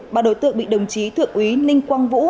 bà đối tượng bị đồng chí thượng úy ninh quang vũ